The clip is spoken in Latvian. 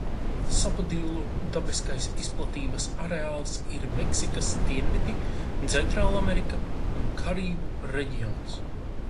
Sapodillu dabiskais izplatības areāls ir Meksikas dienvidi, Centrālamerika un Karību reģions.